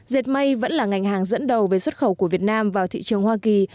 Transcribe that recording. dệt may vẫn là ngành hàng dẫn đầu về xuất khẩu của việt nam vào thị trường hoa kỳ